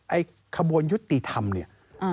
ไอ้กระบวนยุติธรรมเนี่ย